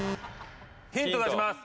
ヒント出します。